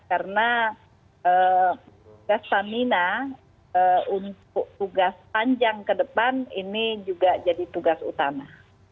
karena stamina untuk tugas panjang ke depan ini juga jadi tugas utama